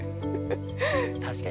確かにね。